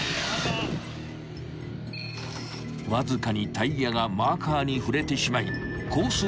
［わずかにタイヤがマーカーに触れてしまいコース